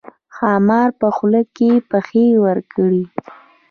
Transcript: ښامار په خوله کې پښې ورکړې.